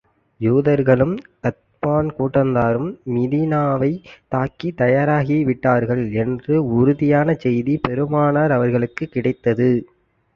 யூதர்களும், கத்பான் கூட்டத்தாரும் மதீனாவைத் தாக்கத் தயாராகி விட்டார்கள் என்ற உறுதியான செய்தி பெருமானார் அவர்களுக்குக் கிடைத்தது.